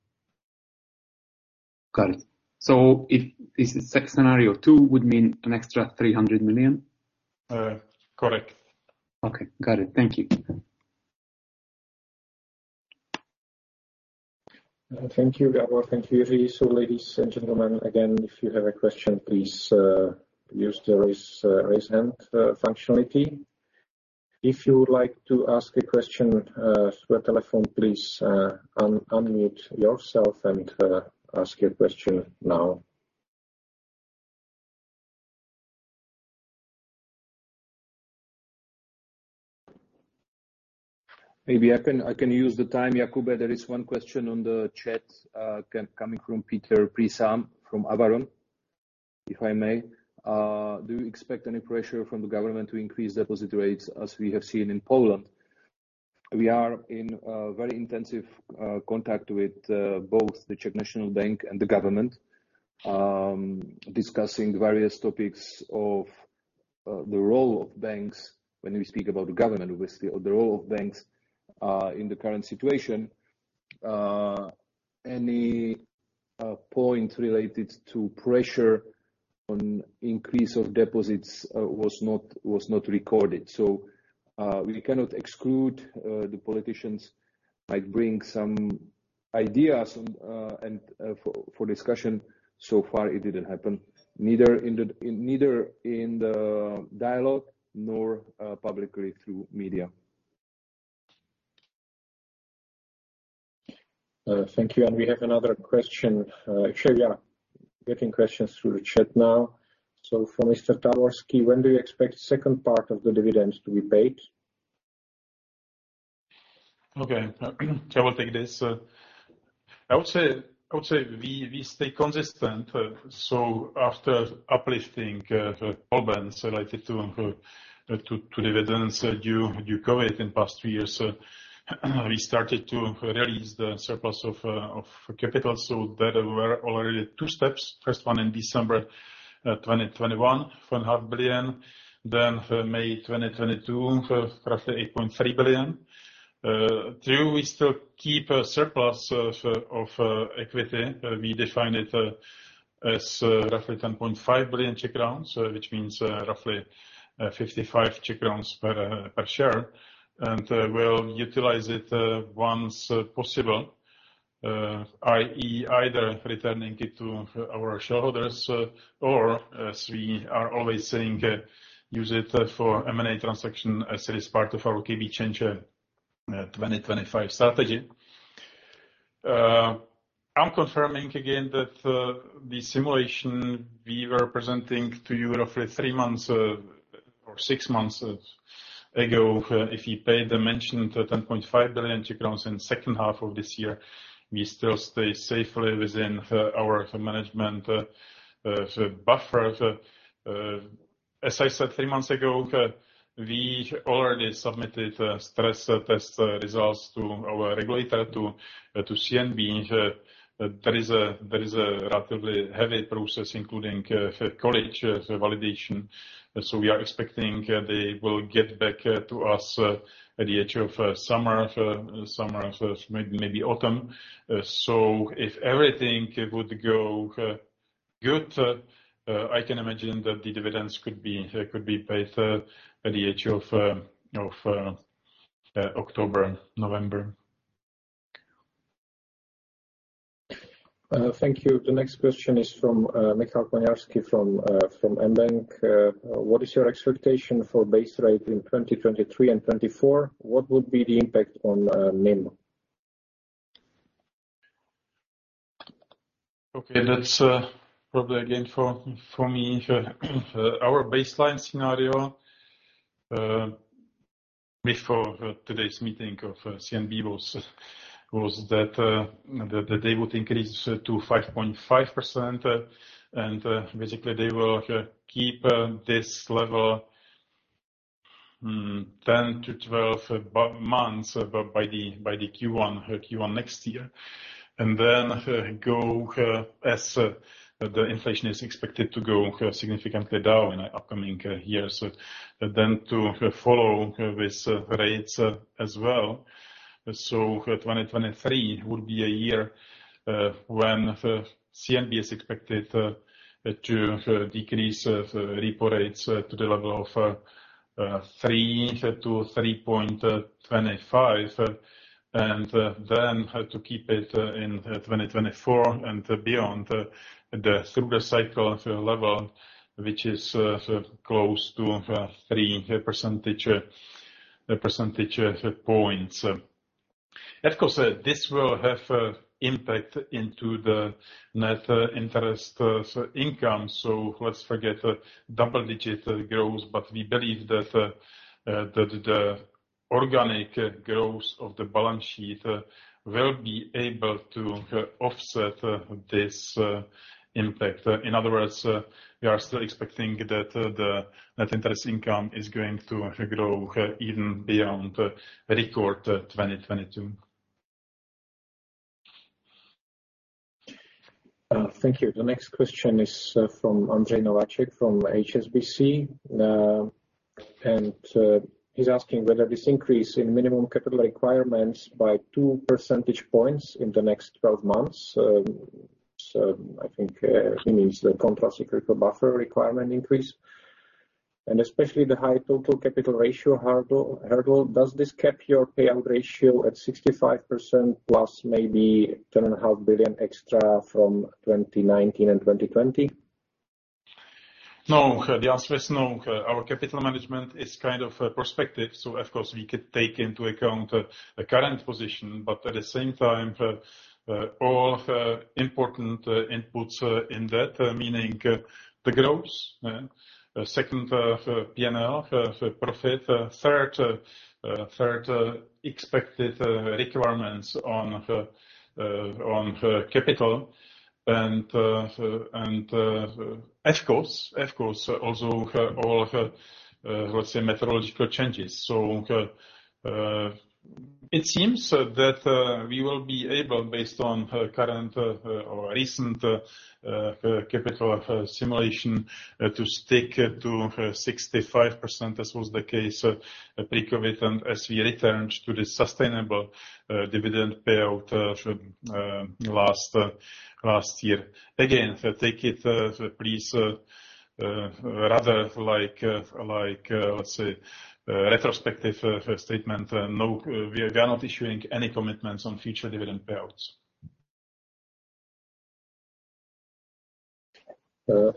Got it. If this is scenario two, would mean an extra 300 million? Correct. Okay. Got it. Thank you. Thank you, Gabor. Thank you, Jiří. Ladies and gentlemen, again, if you have a question, please, use the raise hand functionality. If you would like to ask a question through a telephone, please, unmute yourself and ask your question now. Maybe I can use the time, Jakub. There is one question on the chat, coming from Peter Priisalm from Avaron, if I may. Do you expect any pressure from the government to increase deposit rates as we have seen in Poland? We are in a very intensive contact with both the Czech National Bank and the government, discussing various topics of the role of banks. When we speak about the government, obviously, or the role of banks in the current situation, any point related to pressure on increase of deposits was not recorded. We cannot exclude the politicians might bring some ideas, and for discussion. So far, it didn't happen, neither in the dialogue nor publicly through media. Thank you. We have another question. Actually, we are getting questions through the chat now. For Mr. Tavorský, when do you expect second part of the dividends to be paid? Okay. I will take this. I would say we stay consistent. After lifting problems related to dividends due to COVID in past three years, we started to release the surplus of capital. There were already two steps. First one in December 2021, 4.5 billion. Then May 2022, roughly 8.3 billion. Too, we still keep a surplus of equity. We define it as roughly 10.5 billion, which means roughly 55 per share. We'll utilize it once possible, i.e., either returning it to our shareholders or as we are always saying, use it for M&A transaction as it is part of our KB Change 2025 strategy. I'm confirming again that the simulation we were presenting to you roughly three months or six months ago, if you pay the mentioned 10.5 billion crowns in second half of this year, we still stay safely within our management buffer. As I said three months ago, we already submitted stress test results to our regulator to CNB. There is a relatively heavy process, including collegial validation. We are expecting they will get back to us at the end of summer, so it maybe autumn. If everything would go good, I can imagine that the dividends could be paid at the end of October, November. Thank you. The next question is from Michał Konarski from mBank. What is your expectation for base rate in 2023 and 2024? What would be the impact on NIM? Okay. That's probably again for me. Our baseline scenario before today's meeting of CNB was that they would increase to 5.5%, and basically they will keep this level about 10-12 months, by the Q1 next year. As the inflation is expected to go significantly down in the upcoming years, to follow with rates as well. 2023 would be a year when the CNB is expected to decrease repo rates to the level of 3%-3.25%, and then keep it in 2024 and beyond the stronger cycle level, which is close to 3 percentage points. Of course, this will have impact into the net interest income. Let's forget double-digit growth, but we believe that the organic growth of the balance sheet will be able to offset this impact. In other words, we are still expecting that the net interest income is going to grow even beyond record 2022. Thank you. The next question is from Andrzej Nowaczek from HSBC. He's asking whether this increase in minimum capital requirements by 2 percentage points in the next 12 months, he means the countercyclical buffer requirement increase, and especially the high total capital ratio hurdle. Does this cap your payout ratio at 65%+ maybe 10.5 billion extra from 2019 and 2020? No. The answer is no. Our capital management is kind of prospective, so of course, we could take into account a current position, but at the same time, all important inputs in that, meaning the growth, second, P&L forecast, third, expected requirements on capital. Of course, also all the, let's say, methodological changes. It seems that we will be able, based on current or recent capital simulation, to stick to 65%, as was the case pre-COVID, and as we returned to the sustainable dividend payout last year. Again, take it, please, rather like, let's say retrospective statement. No, we are not issuing any commitments on future dividend payouts.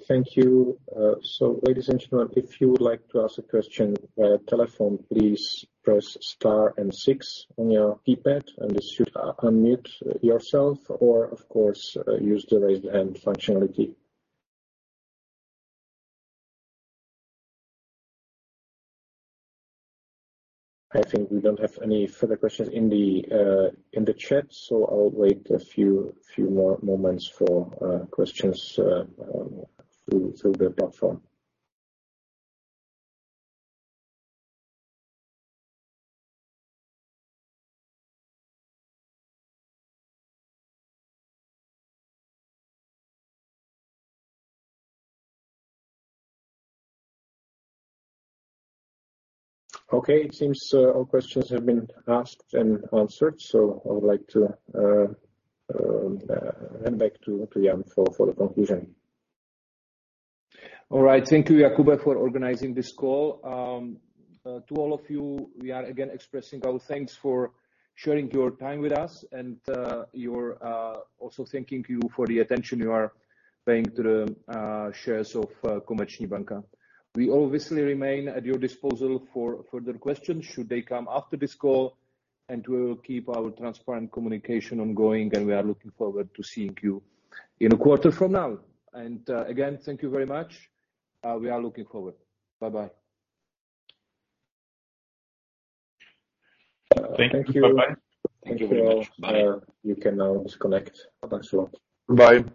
Thank you. Ladies and gentlemen, if you would like to ask a question via telephone, please press star and six on your keypad, and this should unmute yourself, or of course, use the raise hand functionality. I think we don't have any further questions in the chat, so I'll wait a few more moments for questions through the platform. Okay, it seems all questions have been asked and answered. I would like to hand back to Jan for the conclusion. All right. Thank you, Jakub, for organizing this call. To all of you, we are again expressing our thanks for sharing your time with us. We're also thanking you for the attention you are paying to the shares of Komerční banka. We obviously remain at your disposal for further questions should they come after this call, and we will keep our transparent communication ongoing, and we are looking forward to seeing you in a quarter from now. Again, thank you very much. We are looking forward. Bye-bye. Thank you. Bye-bye. Thank you. Thank you all. Bye. You can now disconnect. Thanks a lot.